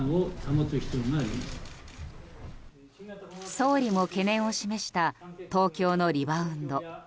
総理も懸念を示した東京のリバウンド。